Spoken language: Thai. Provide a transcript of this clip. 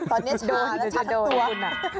ตอนนี้ชาแล้วชัดตัว